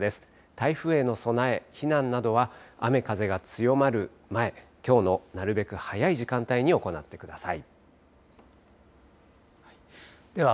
台風への備え避難などは雨風が強まる前きょうのなるべく早い時間帯に行ってください。